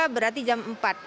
berarti jam empat